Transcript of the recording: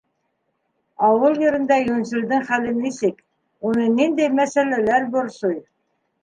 Ауыл ерендә йүнселдең хәле нисек, уны ниндәй мәсьәләләр борсой?